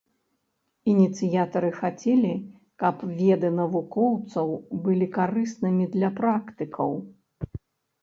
Ініцыятары хацелі, каб веды навукоўцаў былі карыснымі для практыкаў.